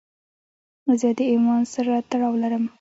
زه د عنوان سره تړاو لرم.